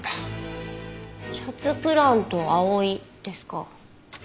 「シャツプラント葵」ですか。